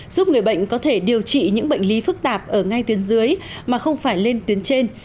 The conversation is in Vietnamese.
giúp người bệnh có thể điều trị những bệnh lý phức tạp ở ngay tuyến dưới mà không phải lên tuyến trên